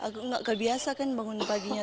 agak nggak kebiasa kan bangun paginya